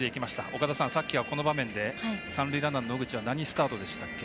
岡田さん、さっきはこの場面で三塁ランナーの野口は何スタートでしたっけ？